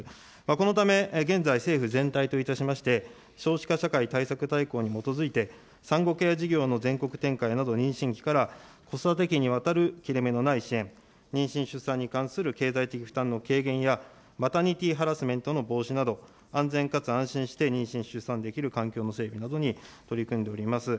このため、現在、政府全体といたしまして、少子化社会対策大綱に基づいて、産後ケア事業の全国展開など、妊娠期から子育て期にわたる切れ目のない支援、妊娠・出産に対する経済的負担の軽減や、マタニティハラスメントの防止など、安全かつ安心して、妊娠・出産できる環境の整備などに取り組んでおります。